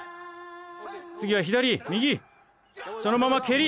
つぎは左右そのままけり！